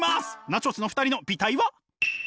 ナチョス。の２人の媚態は？